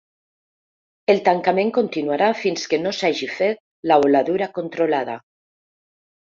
El tancament continuarà fins que no s’hagi fet la voladura controlada.